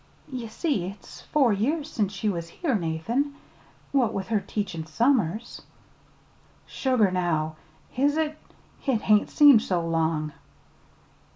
"Ye see it's four years since she was here, Nathan, what with her teachin' summers." "Sugar, now! Is it? It hain't seemed so long."